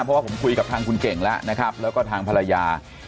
เพราะว่าผมคุยกับทางคุณเก่งแล้วนะครับแล้วก็ทางภรรยา